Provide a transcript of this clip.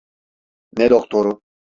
Ne doktoru?